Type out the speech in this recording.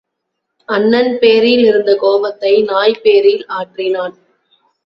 அண்ணன் பேரில் இருந்த கோபத்தை நாய்பேரில் ஆற்றினான்.